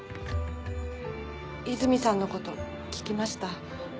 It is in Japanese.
泉さんのこと聞きました。